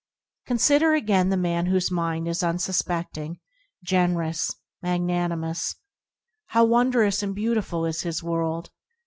Consider again the man whose mind is un suspecting, generous, magnanimous. How wondrous and beautiful is his world.